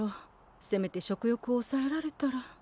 せめて食欲をおさえられたら。